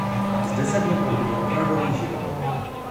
Zde se v něm probudil opravdový živel.